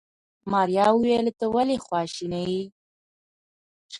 ماريا وويل ته ولې خواشيني يې.